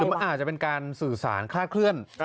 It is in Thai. มันอาจจะเป็นการสื่อสารคลาดเคลื่อน